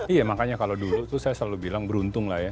iya makanya kalau dulu tuh saya selalu bilang beruntung lah ya